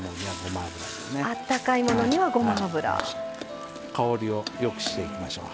あったかいものにはごま油ですね。